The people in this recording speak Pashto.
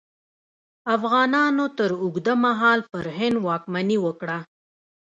افغانانو تر اوږده مهال پر هند واکمني وکړه.